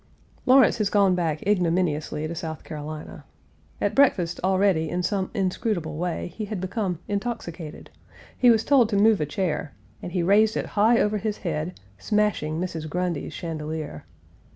Lawrence has gone back ignominiously to South Carolina. At breakfast already in some inscrutable way he had become intoxicated; he was told to move a chair, and he raised it high over his head, smashing Mrs. Grundy's chandelier.